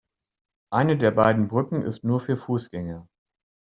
Eine der beiden Brücken ist nur für Fußgänger.